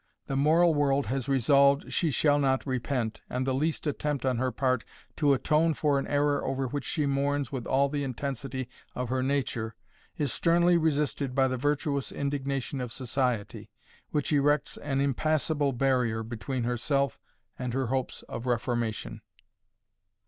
The moral world has resolved she shall not repent, and the least attempt on her part to atone for an error over which she mourns with all the intensity of her nature is sternly resisted by the virtuous indignation of society, which erects an impassable barrier between herself and her hopes of reformation.